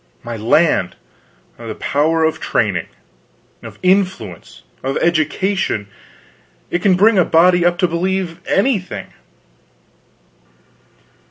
My land, the power of training! of influence! of education! It can bring a body up to believe anything.